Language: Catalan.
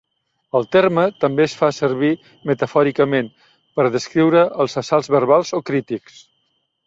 El terme també es fa servir metafòricament, per descriure els assalts verbals o crítics.